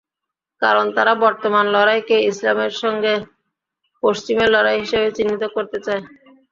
কারণ তারা বর্তমান লড়াইকে ইসলামের সঙ্গে পশ্চিমের লড়াই হিসেবে চিহ্নিত করতে চায়।